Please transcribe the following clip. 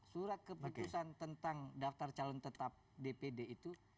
surat keputusan tentang daftar calon tetap dpd itu